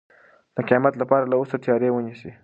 د قیامت لپاره له اوسه تیاری ونیسئ.